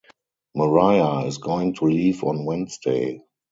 Maria is going to leave on Wednesday.